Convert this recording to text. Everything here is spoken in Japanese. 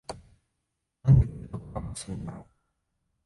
なんでこれとコラボすんだろ